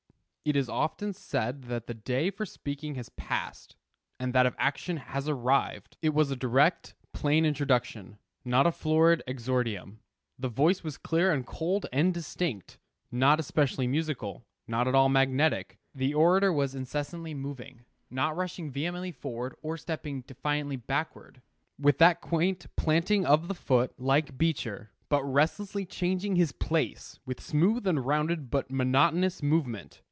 "It is often said that the day for speaking has passed, and that of action has arrived." It was a direct, plain introduction; not a florid exordium. The voice was clear and cold and distinct; not especially musical, not at all magnetic. The orator was incessantly moving; not rushing vehemently forward or stepping defiantly backward, with that quaint planting of the foot, like Beecher; but restlessly changing his place, with smooth and rounded but monotonous movement.